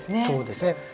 そうですね。